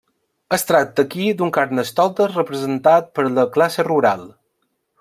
Es tracta aquí d'un carnestoltes representat per la classe rural.